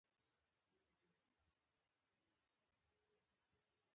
د بلوغیت په دوران کې د میړه یا ښځې رول لرو.